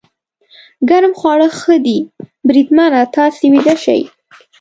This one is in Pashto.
ګرم خواړه ښه دي، بریدمنه، تاسې ویده شئ.